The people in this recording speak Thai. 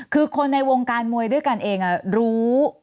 คือคนในวงการมวยด้วยกันเองรู้